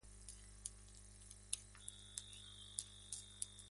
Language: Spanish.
Fue un asiduo columnista de "Libertad Digital".